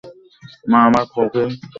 মা, আমার খুকি বোনটা কিছু বলছে।